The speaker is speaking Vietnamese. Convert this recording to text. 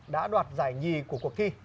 đã đoạt giải nhì của cuộc thi